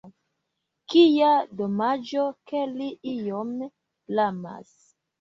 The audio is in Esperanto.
Kia domaĝo ke li iom lamas!